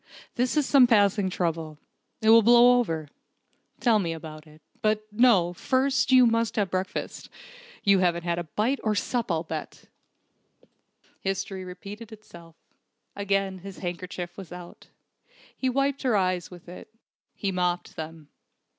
"This is some passing trouble. It will blow over. Tell me all about it. But no, first you must have breakfast. You haven't had bite or sup, I'll bet!" History repeated itself. Again his handkerchief was out. He wiped her eyes with it. He mopped them.